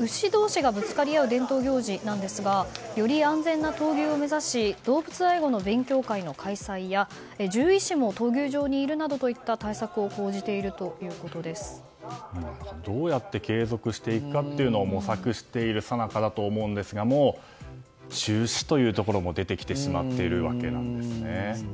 牛同士がぶつかり合う伝統行事ですがより安全な闘牛を目指し動物愛護の勉強会の開催や獣医師も闘牛場にいるなどといったどうやって継続していくかを模索しているさなかだと思うんですがもう中止というところも出てきてしまっているんですね。